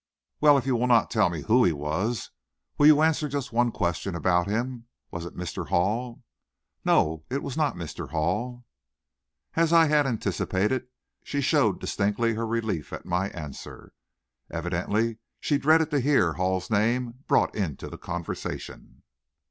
"Well, if you will not tell me who he was, will you answer just one question about him? Was it Mr. Hall?" "No; it was not Mr. Hall." As I had anticipated, she showed distinctly her relief at my answer. Evidently she dreaded to hear Hall's name brought into the conversation.